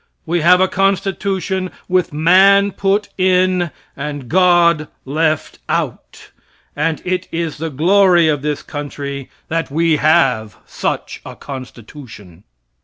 We have a constitution with man put in and God left out; and it is the glory of this country that we have such a constitution.